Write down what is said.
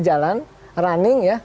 jalan running ya